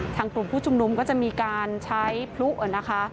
กลุ่มผู้ชุมนุมก็จะมีการใช้พลุนะคะ